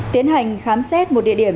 tiến hành khám xét một địa điểm